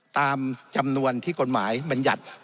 ตามจำนวนที่กฎหมายบรรยัติ